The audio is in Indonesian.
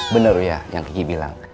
benar ya yang kiki bilang